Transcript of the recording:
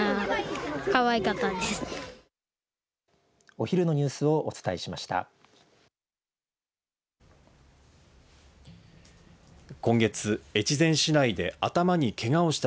お昼のニュースをお伝えしました。